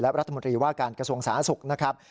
และรัฐมนตรีว่าการกระทรวงสาธารณสุขนะครับ